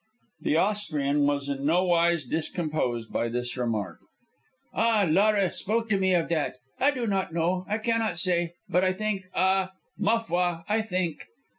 The Austrian was in no wise discomposed by this remark. "Ah, Laura spoke to me of that. I do not know; I cannot say. But I think, ah, ma foi, I think."